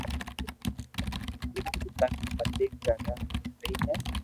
مني تو تبگ متي ڪريار تو سھي ھي